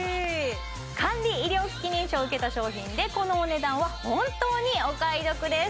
管理医療機器認証を受けた商品でこのお値段は本当にお買い得です！